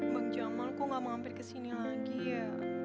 bang jamal kok gak menghampir kesini lagi ya